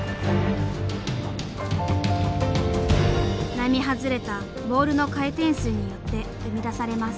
並外れたボールの回転数によって生み出されます。